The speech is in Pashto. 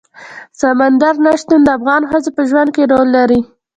سمندر نه شتون د افغان ښځو په ژوند کې رول لري.